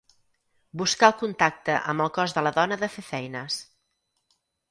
Buscar el contacte amb el cos de la dona de fer feines.